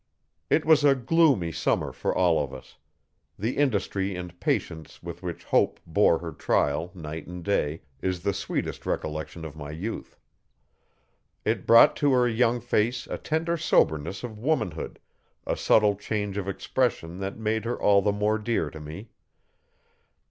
It was a gloomy summer for all of us. The industry and patience with which Hope bore her trial, night and day, is the sweetest recollection of my youth. It brought to her young face a tender soberness of womanhood a subtle change of expression that made her all the more dear to me.